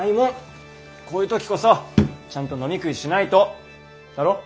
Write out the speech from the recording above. こういう時こそちゃんと飲み食いしないとだろ？